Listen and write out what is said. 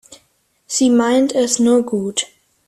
Sie meint es nur gut.